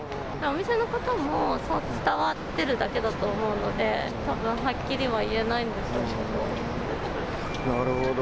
お店の方も、そう伝わってるだけだと思うので、たぶんはっきりは言えないんでしょうけど。